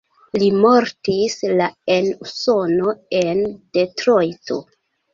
Li mortis la en Usono en Detrojto.